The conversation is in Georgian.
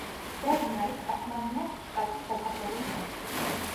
ბერნი არის ტასმანიას შტატის დასახლებული პუნქტი.